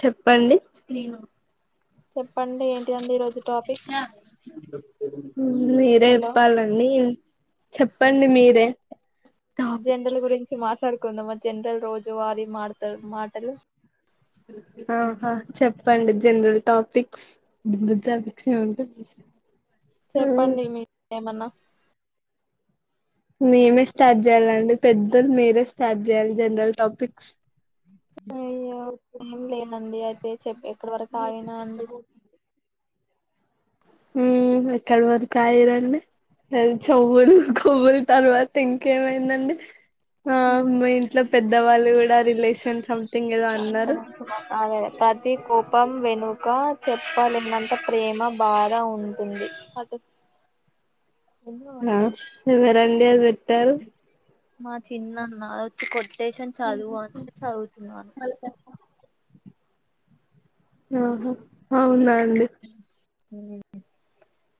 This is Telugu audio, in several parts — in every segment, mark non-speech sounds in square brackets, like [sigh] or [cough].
చెప్పండి సీను. చెప్పండి ఎంటిదండి ఈరోజు టాపిక్. [unintelligible] మీరే హలో చెప్పాలండి చెప్పండి మీరే. జెండాల గురించి మాత్. పడుకుందమ్మా జనరల్ రోజు వారి మాత్రలు మాటలు ఆహా చెప్పండి జనరల్ టాపిక్స్. చెప్పండి మీరు ఏమన్నా. మేమే స్టార్ట్ చెయ్యాలా అండి. పెద్దలు మీరే స్టార్ట్ చెయ్యాలి జనరల్ టాపిక్స్. అయ్యో ఏం లేదండి అయితే చెప్పేయ్. మీరు ఎట్లా పోతే. హమ్ ఎక్కడి వరకు ఆగిరండి చెవ్వులు కొవ్వులు తర్వాత ఇంకేమైందండి ఆ మా ఇంట్లో పెద్దవాళ్ళు కూడా రిలేషన్ సొమెథింగ్ ఏదో అక్కడ అన్నారు ఆగలే ప్రతి కోపం వెనుక చెప్పలేనంత ప్రేమ బాధ ఉంటుంది అదే ఆలో ఎవరండీ ఎవరు ట్వీల్వ్ మా చిన్న అన్న వచ్చి కోట్ స్టేషన్ చదువు అంటే చదువుతున్నారు ఆహా అవును అండి హమ్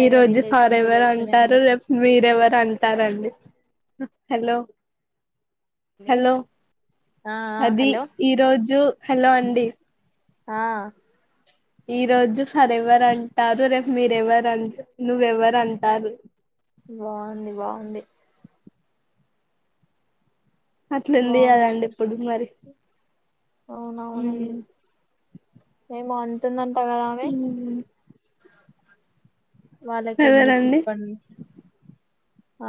ఈ రోజు ఫరెవర్ అంటారు ఎందుకు రేపు మీరెవరు అంటారండి హలో హలో ఆ ఆ అది హలో ఈరోజు హలో అండి ఆ ఈరోజు ఫరెవర్ అంటారు రేపు మీరెవర్ ఆన్ నువేవర్ అంటారు బాగుంది బాగుంది అట్లుంది కదండి బాగుందండి ఇప్పుడు మరి అవునవునండి మేము మ ఉ వాళ్ళక ఎందుకు ఇప్పం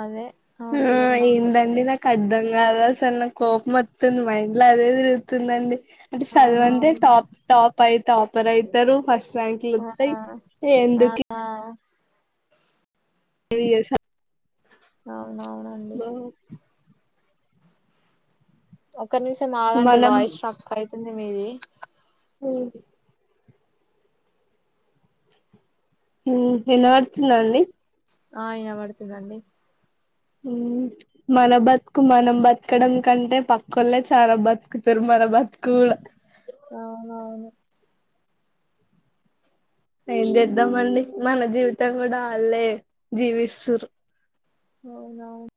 అదే ఆమె ఆ పేరు నాకు ఏందండి గుర్తులే నా కడ్దం కాదా అసన్న కోపం వస్తుంది మ ఇండ్లో అదే తిరుగుతుందండి అంటే సల్వంద అవునవును టాప్ టాప్ ప్ప అయితే ఆపర్ అవుతారు ఫస్ట్ యాంకులు వస్తాయి ఆ ఎందుకు ఆ ఏ స అవునవునండి ఓకే క్కని స మాాలడి మనం వాయిషక్యిడి మీది అహ హ ఏ నాడుతుంద అంన్ని ఆ వినబడుతుందండి మన బతుకు మనం బతకడం కంటే పక్కలే చాలా బతుకుతారు మన బతుకు అవునవును ఏం చేద్దాం అండి మన జీవితం కూడా వాళ్ళే జీవిస్తురు అవునవును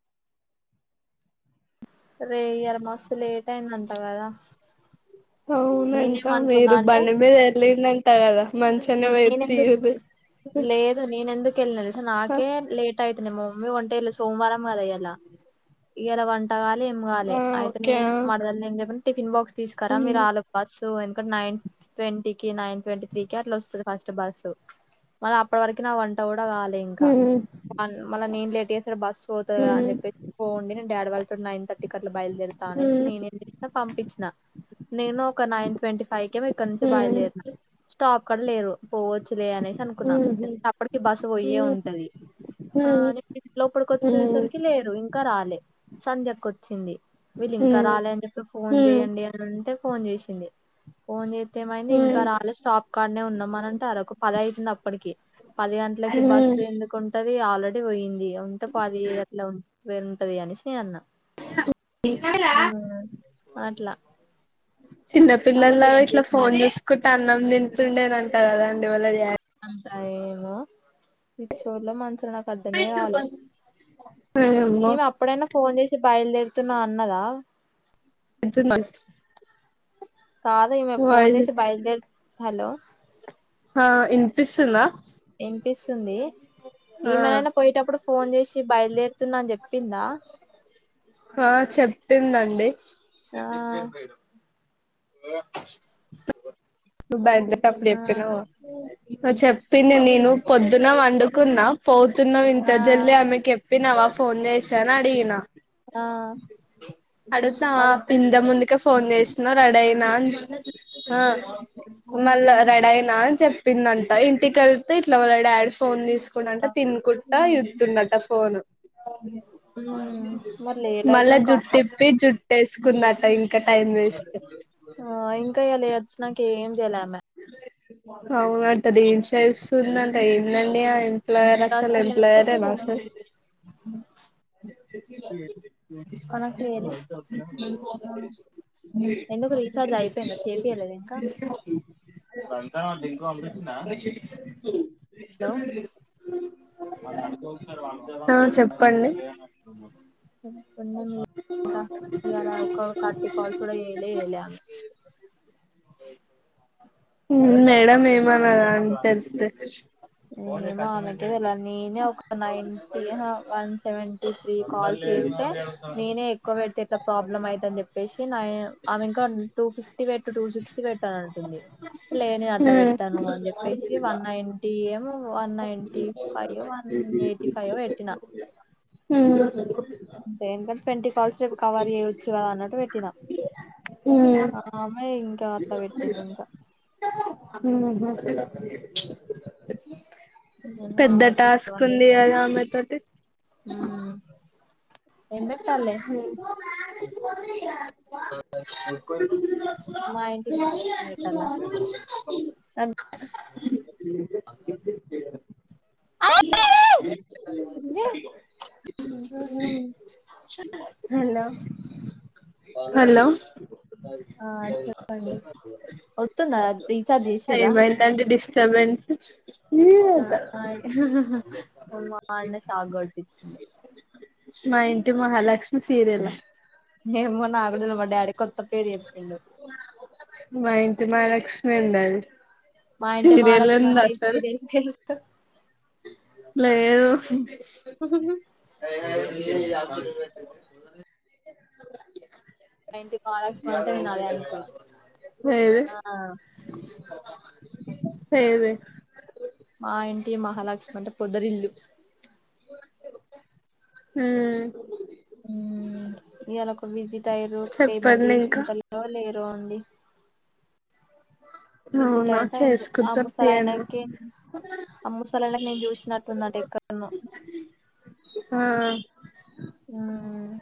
అరే ఇవాళ మస్తు లేట్ అయిందంట కదా అవునంతా నేనేమనుకున్నా మీరు అంటే బండి మీద ఎల్లుండి అవునంటా కదా మంచిగానే పోయి తీరు లేదు నేనెందుకు వెళ్లలేదంటే నాకే లేట్ అయితది మమ్మీ వంటగాలే ఇవాళ సోమవారం కథ వంటకాలే ఏం కాలే ఆ అయితే ఓకే నేను ఆ మరదలుకు ఏం చెప్పానంటే టిఫిన్ బాక్స్ తీసురరా మీరు హ్మ్ ఆలోపు సో ఎందుకంటే నైన్ ట్వంటీ కి నైన్ ట్వంటీ త్రీ కి అట్లా వస్తుంది ఫస్ట్ బస్సు మళ్ళ అప్పటి వరకు నా వంట కూడా అవదు రాలే ఇంకా హ్మ్ మళ్ళీ నేను లేట్ చేసారు బస్సు పోతుంది అని హ్మ్ చెప్పేసి పోండి నేను డాడీ వాళ్ళ నైన్ థటీకి ఇలా బయలుదేరుతా అనేసి హ్మ్ నేను ఏం చేస్తా పంపించిన నేను నైన్ ట్వంటీ ఫైవ్ క ఇక్కడ నుంచి హ్మ్ బయలుదేరిన స్టాప్ కి ఒక్క లేరు పోవచ్చులే అనేసి అనుకున్నా హ్మ్ అప్పటికి బస్ పోయే హ్మ్ ఉంటది ఆ హ్మ్ నేను లోపటికి వచ్చి హ్మ్ చూచేసరికి లేరు ఇంకా రాలే సంధ్యక్క వచ్చింది వీళ్ళు ఇంకా హ్మ్ రాలే అని చెప్పి ఫోన్ హ్మ్ చెయడి అని అంటే ఫోన్ చేసింది ఫోన్ చేసి ఏమైంది ఇంకా హ్మ్ రాలే స్టాప్ వానే ఉన్నామని అంటారు ఒక పద అవుతుంది అప్పటికి పది గంటలకి బస్సు ఎందుకు ఉంటాయి అది ఆల్రెడీ పోయింది ఉంటే పాది అట్లా ఉంటాయి వేరుంటది అని స్నే అన్న హ్మ్ మాట్లా చిన్నపిల్లల్లాగా ఇట్లా ఫోన్ చేసిందంట చూసుకుంటే అన్నం తింటున్నావ్ తిడుతుండనంట కదా అండి వాళ్ళ డాడీ ఏమో పిచ్చోళ్ళు మంచోళ్ళు నాకు అర్ధమే కాలేదు వామ్మో మేము అప్పుడైనా ఫోన్ చేసి బయలుదేరుతున్నా అన్నదా ఇజ్జత్ మన్స్ కాదు ఈమె ఫోన్ చేసి బయల్ హలో ఆ వినిపిస్తుందా వినిపిస్తుంది ఆ ఈమెనైనా పోయేటప్పుడు ఫోన్ చేసి బయలుదేరుతున్నా అని చెప్ పింద ఆ చెప్పిందండి ఆ బాన్ తప్పు ఆ చెప్తున్నావు అచ్చం చెప్పింది నేను పొద్దున్న వండుకున్నా, పోతున్నా. ఇంత ఆ జల్లి ఆమెకి చెప్పినవా ఫోన్ చేసాను అడిగిన. ఆ అడుగుతావా అడుగుతే ఇంత ముందుకే ఫోన్ చేస్ ను రెడీ అయినా ఆ మళ్ళా ఉహు రెడయినా అని చెప్పిందంట ఇంటికి వెళ్తే ఇట్ల్ వాళ్ళ డాడీ ఫోన్ తీస్ అంట తినుకుంటా ఉమ్ ఇదుతుండట ఫోను మరి లేట్ మళ్ళా అయితాంది కా జుట్టిప్పి జుట్టేస్ కుంద టైం వేస్ట్ ఆ ఇంకా ఇల అట్ నాక ఏం జల్ల [inaudible] అవుఅంటది ఇన్స్టా చుస్తునన్ అయిందండి ఆ ఎంప్లాయర్ అసలు హాస్పిటల్ ఎంప్లాయరేన పెట్టకపోయినా అసల్ కనెక్ట్ చేయలే ఎందుకు రీచార్జ్ అయిపోయింద చేపియలేద ఇంకా రజా వా ఇంకో పంపించిన హలో వాల్ అడక్కో ఆ మా చెప్పండి లే అంటుండు మీడ కటి [unintelligible] కాల్స్ కూడా కూడా వెలే వెలే మేడం ఏమనదా అని తెలుస్తే నేను ఆమెకే తెళాలి నేనే ఒక ninth once seventy three call చేస్తే నేనే ఎక్కువ పెడితే ఎలా ప్రాబ్లమ్ అవుని చెప్ పషన్ అమె ఇంకా టూ ఫిఫ్ పెట్టు టూ సిక్స్టీ పెట్టాను అంటుంది. లే నేను అట్లా ఉమ్ పెట్టను అని చెప్పేసి వన్ నైన్ ఏమో one ninety five one eighty five పెట్టినా హ్మ్ అంతే ఇంగ ట్వంటీ కాల్స్ రేపు కవర్ చేయచ్చు కదా అన్నట్టు పెట్టినా ఉమ్ ఆమే ఇంకా అట్లా పెట్టింది ఇంకా హ్మ్ హు ఏమో పెద్ద ఆమెకే టాస్క్ ఉంది అదా ఆమె తోటి హ్మ్ ఏం పెట్టాలే మా ఇంటి మాలక్ష్మి పెట్టాలా అంత హలో హలో ఆ చెప్పండి వతుందా ఏమైతంది డిస్టర్బెన్స్ మా అన్న సాగోటిచిండు మా ఇంటి మహాలక్ష్మి సీరియల్ ఏ మొన్న ఆగుడుడు పడాడి కొత్త పేరు చెప్పిండు మాఇంటి మహాలక్ష్మి ఉందది మా ఇంటి మహాలక్ష్మి అంటే ఏం సీరియల్ తెలుసా లేదు పోదరి [inaudible] [inaudible] ఏంటి మహలక్ష్మి అర్థం కాలే లేదే [inaudible] ఆ లేదే మా ఇంటి మహాలక్ష్మి అంటే పొదరిల్లు హ్మ్ హ్మ్ ఇయాల ఒక విజిట్ అయ్యిరు పేమెంట్ చెప్పండి ఇంకా చేసుకుంటలో లే నో అండి విజిట్ అవునా అయితే అయిరు ఆ చేసుకుంటారు తీయండి ముసాలాయానకి ఆ ముసాలానకి నేను చు చుసినట్టుందట ఎక్కడనో ఆ హ్మ్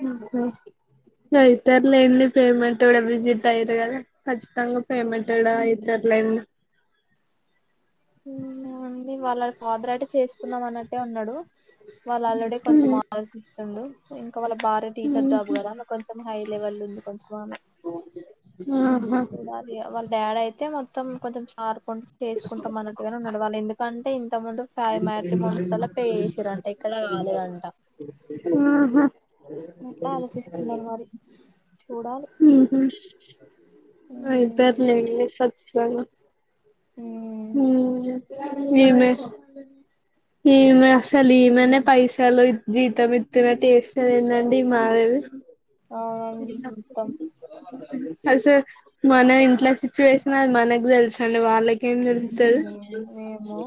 హ్మ్ హు అయితది లేండి పేమెంట్ కూడా విజిట్ అయిరు కదా ఖచ్చితంగా పేమెంట్ కూడా అయితది లేండి ఏమో అండి వలా ఫాదరేట్ చేసుకుందాం అన్నట్టే ఉన్నాడు వాళ్ళు ఆల్రెడీ కొంచెం [unintelligible] ఇంకా వాళ్ళ భార్య టీచర్ జాబ్ కదా ఆమె కొంచెం హై లెవెల్ ఉంది కొంచం వల్లే ఆహా చూడాలి ఇగ వాళ్ళ డాడ్ అయి అయితే మొత్తం కొంచెం చారు కొన్ తేసుకొన్ మొనటిగానే నాడవాలి ఎందుకంటే, ఫైవ్ మ్యాట్రిమోనిస్ లల్ల పే చేసిరంట ఇక్కడ కాలేదంట ఆ హ అట్లా ఆలోసిస్తున్నారు మరి. చూడాలి. మ్మ్ అయితదిలే ఇంగ కచ్ ప అల్ వా మ్ ఈమె, ఈమె, అసలు ఈమెనే పైసలు జీతం ఎత్తినట్టి జేస్తాదేన్దండి ఈ మహాదేవి. అవునండి మొత్తం అసల్ మన ఇంట్లో సిచ్యువేషన్, అది మనకు తెలుసండి. వాళ్ళక్ కేం తెలుత్తది? మ్మ్ ఏమో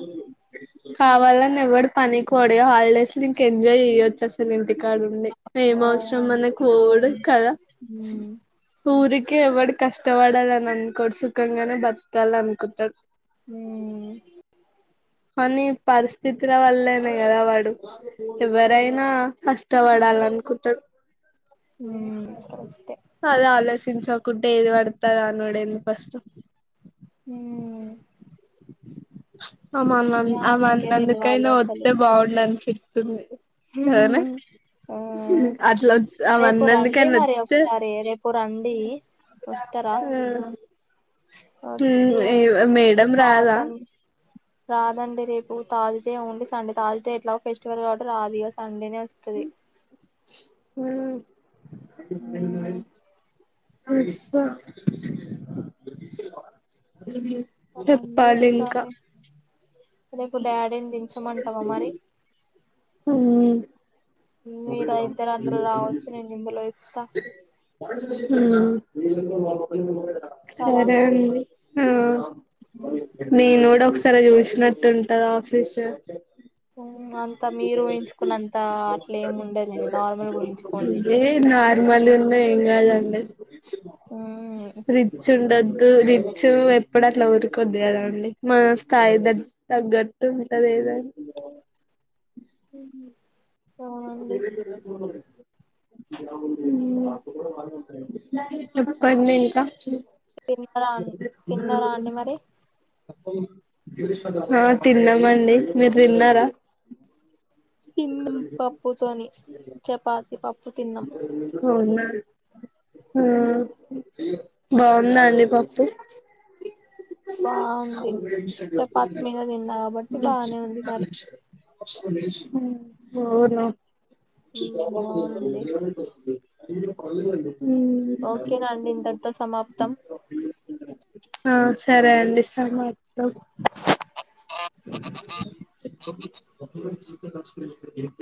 కావల్లని ఎవ్వడు పనికి పోడు గా! హాలిడేస్ లో ఇంక ఎంజాయ్ చెయ్యొచ్చు. అసలు ఇంటిక్ అక్కడుండి. ఏం అవసరం అవును మనకి పోవుడు అవును కదా! ఉమ్ ఊకె ఎవడు కష్టపడాల అని అనుకోడు, సుఖంగానే బతకాలనుకుంటాడు. మ్మ్ కొన్ని పర్స్ పిత్ర వల్లనె కద వాడు ఎవరైనా కష్టపడల్లనుకుంటరు. ఉమ్, కరెక్టే అల ఆలోస్ తించా కుంటే ఏది పడితే అది అనుడేంది ఫస్ట్ మ్మ్ మమ్మల్ని అన్ అమ్మాయికే తెలవాలి అవన్నందుకైనా అసలు వత్తె బాగుండనిపిత్తుంది. రాన? ఆ అట్ల ఒత్ రేపు రండి అవన్నందుకైనా మరి ఒత్తే! ఒకసారి రేపు రండి వస్తారా మ్మ్ వచ్చి మ్మ్ ఏ మీ మేడమ్ రాదా? ఫాదర్ ని రాదండి రేపు. తార్స్డే ఉండి, సండే తార్స్డే ఎట్లా ఫెస్టివల్ కాబట్ రాదిగ. సండేనె వొచ్ హు హూ అ అస్స రండి చెప్పాలింక ఒకసారి రేపు డాడీని దించమంటావా మరి మ్మ్ మీరా ఇద్దరు అందరూ రావచ్చు నేనిందులో ఇస్తా ఉమ్మ్ కదా సరే అండి. ఆ నేన్ కూడా ఒక సా ఎక్కడో చూసినట్టుం దాఆఫీస్ అంత మీరు ఎంచుకున్నంత అట్లేమి ఉండదండి నార్మల్ గుంచుకోండి. ఉనా ఏం కాదండి. రిచ్ ఉండద్ రిచ్ ఎప్పుడు అట్లా ఊరికొద్ది కదా అండి మన స్త్ స్థాయి దట్ తగ్గట్టు ఉంటదేదైనా హు హూ ఇంగే చెప్పండింకా తిన్నరాఅండ్ తిన్నారా అండి మరి ఆ తిన్నామండి మీర్ తిన్నారా తిన్నాం పప్పుతోని చపాతి పప్పు తిన్నాం. అవునా ఆ బాగుందా అండి పప్పు బాగుంది చపాతీ మీద తిన్నా కాబట్టి బానే ఉంది మరి కసుకు ఊను అవునండి [unintelligible] అళ్ళ అండి ఓకేనండి ఇంతటితో సమాప్తం ఆ సరే అండి సమాప్తం [inaudible] [unintelligible] [unintelligible]